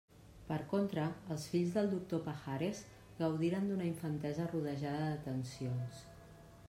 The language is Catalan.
Per contra, els fills del doctor Pajares gaudiren una infantesa rodejada d'atencions.